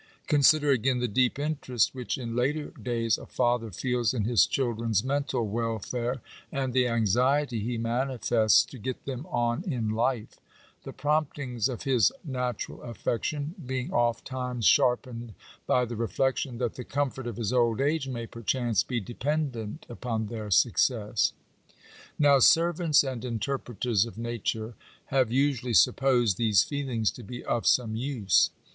Consider again the deep interest which in later days a father feels in his children's mental welfare, and the anxiety he manifests to get them on in life ; the promptings of his natural affection being ofttimes sharpened by the reflection that the comfort of his old age may, perohance, be dependent upon their success. Now "servants and interpreters of nature" have usually supposed these feelings to be of some use.